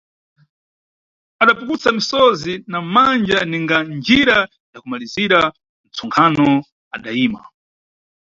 Adapukusa misozi na manja ninga njira ya kumalizira ntsonkhano, adaima.